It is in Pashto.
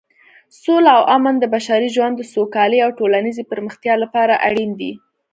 سوله او امن د بشري ژوند د سوکالۍ او ټولنیزې پرمختیا لپاره اړین دي.